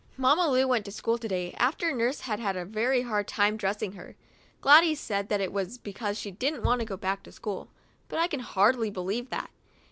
Mamma Lu went to school to day after nurse had had a very hard time dressing her. Gladys said that it was because she didn't want to go back to school, but I can hardly believe that.